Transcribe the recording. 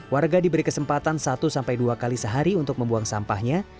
warga diberi kesempatan satu sampai dua kali sehari untuk membuang sampahnya